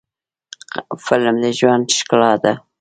فلم د ژوند ښکلا ده